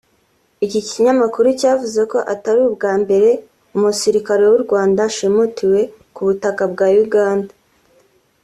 Iki kinyamakuru cyavuze ko atari ubwa mbere umusirikare w’u Rwanda ashimutiwe ku butaka bwa Uganda